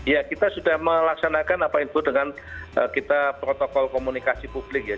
ya kita sudah melaksanakan apa yang disebut dengan kita protokol komunikasi publik ya